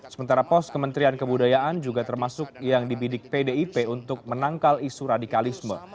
sementara pos kementerian kebudayaan juga termasuk yang dibidik pdip untuk menangkal isu radikalisme